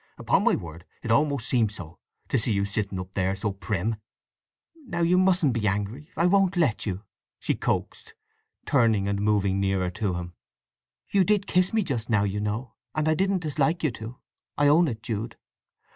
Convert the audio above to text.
Upon my word it almost seems so—to see you sitting up there so prim!" "Now you mustn't be angry—I won't let you!" she coaxed, turning and moving nearer to him. "You did kiss me just now, you know; and I didn't dislike you to, I own it, Jude.